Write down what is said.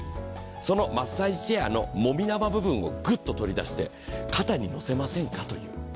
そのマッサージチェアのもみ玉部分をグッと取り出して肩にのせませんかという。